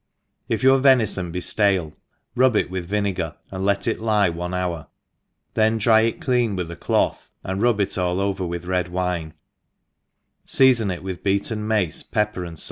« IF your venifon be ftale rub it with vinegar, and let it lie one hour, then dry it clean with a cloth and rub it all over with red wine, feafon it with beaten mace, pepper, and.